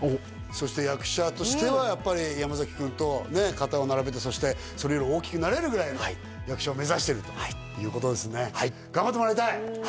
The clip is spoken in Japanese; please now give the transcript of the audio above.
そして役者としてはやっぱり山君とね肩を並べてそしてそれより大きくなれるぐらいの役者を目指してるということですね頑張ってもらいたい！